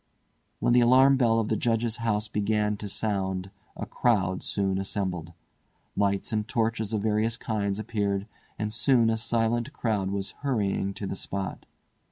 When the alarm bell of the Judge's House began to sound a crowd soon assembled. Lights and torches of various kinds appeared, and soon a silent crowd was hurrying to the spot.